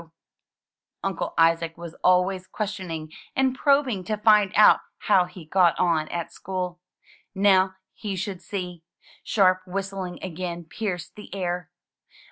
98 THROUGH FAIRY HALLS Uncle Isaac was always questioning and probing to find out how he got on at school. Now he should see! Sharp whistling again pierced the air.